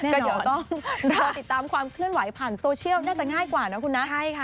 ก็เดี๋ยวต้องรอติดตามความเคลื่อนไหวผ่านโซเชียลน่าจะง่ายกว่านะคุณนะ